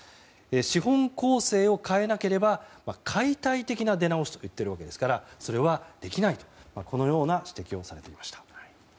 資本構成を変えなければ解体的な出直しと言っているわけですがそれはできないとこのような指摘をされていました。